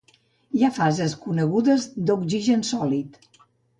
Hi ha fases conegudes de l'oxigen sòlid.